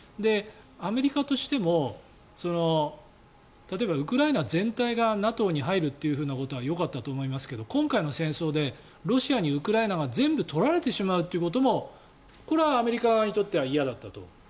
アメリカとしても例えばウクライナ全体がＮＡＴＯに入るということはよかったと思いますけど今回の戦争でロシアにウクライナが全部取られてしまうということもこれはアメリカ側にとっては嫌だったと。